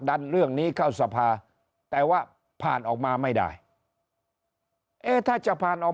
ดันเรื่องนี้เข้าสภาแต่ว่าผ่านออกมาไม่ได้เอ๊ะถ้าจะผ่านออก